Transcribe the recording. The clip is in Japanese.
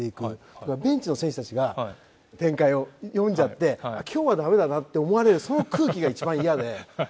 ベンチの選手たちが展開を読んじゃって今日はダメだなって思われるその空気が一番イヤで。